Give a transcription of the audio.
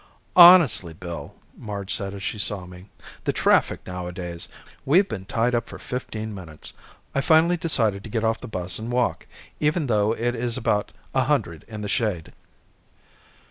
"Honestly, Bill!" Marge said as she saw me. "The traffic nowadays! We've been tied up for fifteen minutes. I finally decided to get off the bus and walk, even though it is about a hundred in the shade."